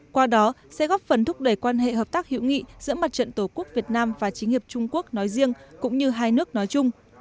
qua đó sẽ góp phần thúc đẩy quan hệ hợp tác hữu nghị giữa mặt trận tổ quốc việt nam và chính hiệp trung quốc nói riêng cũng như hai nước nói chung